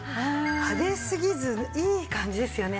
派手すぎずいい感じですよね。